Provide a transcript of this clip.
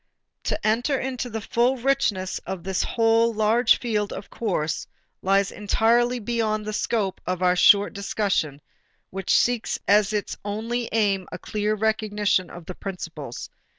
To enter into the full richness of this whole, large field of course lies entirely beyond the scope of our short discussion, which seeks as its only aim a clear recognition of the principles.